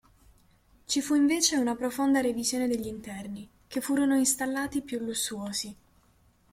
Ci fu invece una profonda revisione degli interni, che furono installati più lussuosi.